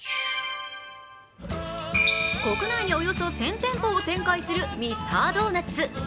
国内におよそ１０００店舗を展開するミスタードーナツ。